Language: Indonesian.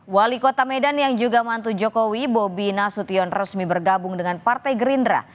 wali kota medan yang juga mantu jokowi bobi nasution resmi bergabung dengan partai gerindra